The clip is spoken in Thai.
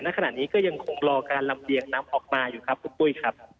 ขณะนี้ก็ยังคงรอการลำเลียงน้ำออกมาอยู่ครับคุณปุ้ยครับ